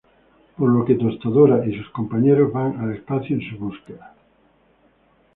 Por lo que Tostadora y sus compañeros van al espacio en su búsqueda.